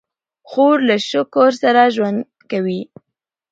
خور له شکر سره ژوند کوي.